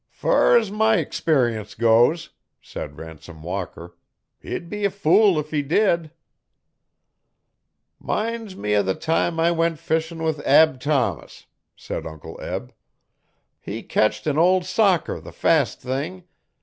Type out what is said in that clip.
'Fur 's my experience goes,' said Ransom Walker, 'he'd be a fool 'f he did.' ''Minds me o' the time I went fishin' with Ab Thomas,' said Uncle Eb. 'He ketched an ol' socker the fast thing.